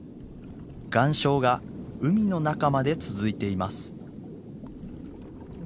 岩礁が海の中まで続いています。